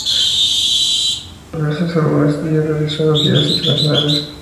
Además ha grabado diversos álbumes y ha realizado giras internacionales.